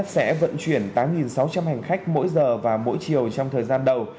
sẽ vận chuyển tám sáu trăm linh hành khách mỗi giờ và mỗi chiều trong thời gian đầu